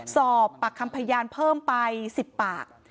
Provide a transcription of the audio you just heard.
สอบปากคำพยานเพิ่มไป๑๐ปาก